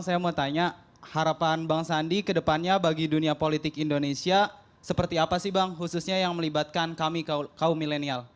saya mau tanya harapan bang sandi ke depannya bagi dunia politik indonesia seperti apa sih bang khususnya yang melibatkan kami kaum milenial